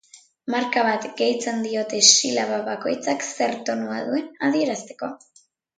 Marka bat gehitzen diote silaba bakoitzak zer tonua duen adierazteko.